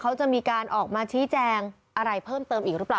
เขาจะมีการออกมาชี้แจงอะไรเพิ่มเติมอีกหรือเปล่า